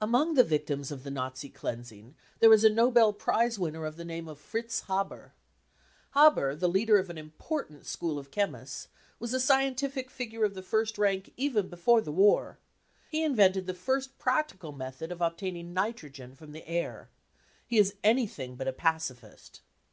Among the victims of the Nazi cleansing there is a Nobel I prize winner of the name of Fritz Haber. Haber, the leader | of an important school of chemists, was a scientific figure | of the first rank even before the war. He invented the first practical method of obtaining nitrogen from the air. He is I anything but a pacifist.